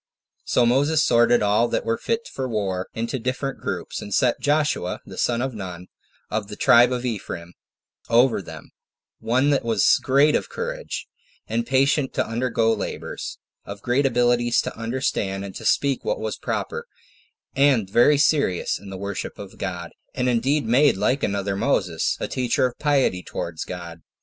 So Moses sorted all that were fit for war into different troops, and set Joshua, the son of Nun, of the tribe of Ephraim, over them; one that was of great courage, and patient to undergo labors; of great abilities to understand, and to speak what was proper; and very serious in the worship of God; and indeed made like another Moses, a teacher of piety towards God.